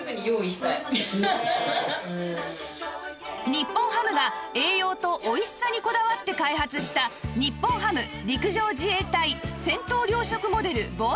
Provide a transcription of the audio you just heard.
日本ハムが栄養とおいしさにこだわって開発した日本ハム陸上自衛隊戦闘糧食モデル防災食